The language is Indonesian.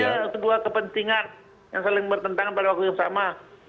kalau anda punya sebuah kepentingan yang saling bertentangan pada waktu yang sama